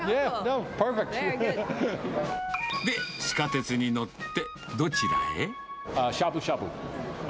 で、地下鉄に乗ってどちらへ？